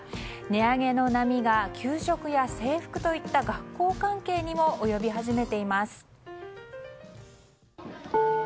値上げの波が給食や制服といった学校関係にも及び始めています。